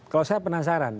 kalau saya penasaran